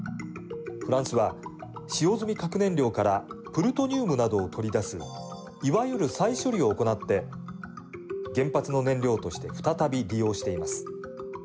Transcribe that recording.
フランスは、使用済み核燃料からプルトニウムなどを取り出すいわゆる再処理を行って原発の燃料として再び利用しています。